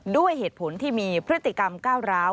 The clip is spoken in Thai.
ด้วยเหตุผลที่มีพฤติกรรมก้าวร้าว